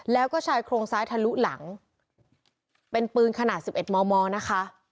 แล้วก็ชายโครงซ้ายทะลุหลังเป็นปืนขนาด๑๑มมนะคะ